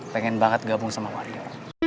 pengen banget gabung sama mario